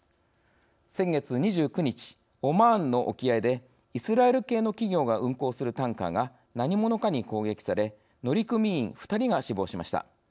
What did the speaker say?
先月２９日、オマーンの沖合でイスラエル系の企業が運航するタンカーが何者かに攻撃され乗組員２人が死亡しました。